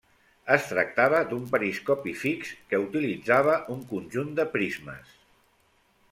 Es tractava d'un periscopi fix que utilitzava un conjunt de prismes.